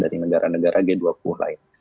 yang akan dikestor dari negara negara g dua puluh lain